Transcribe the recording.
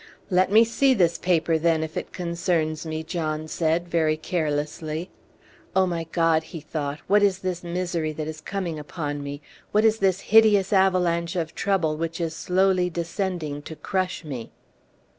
"Let me see this paper, then, if it concerns me," John said, very carelessly. "Oh, my God!" he thought, "what is this misery that is coming upon me? What is this hideous avalanche of trouble which is slowly descending to crush me?"